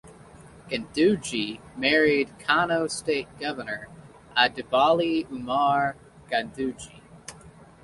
Ganduje married Kano State Governor Abdullahi Umar Ganduje.